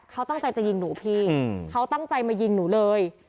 เขาตั้งใจจะยิงหนูพี่เขาตั้งใจมายิงหนูเลย